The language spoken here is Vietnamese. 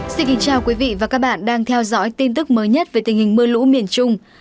xin kính chào quý vị và các bạn đang theo dõi tin tức mới nhất về tình hình mưa lũ miền trung